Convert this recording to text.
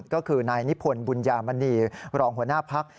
ก็คือนายนิพนธ์บุญญามณีรองหัวหน้าพัก